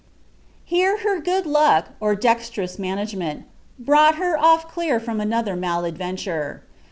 Here her good luck, or dexterous management, brought her off dar from another mal ad venture.